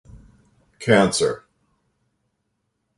Cancer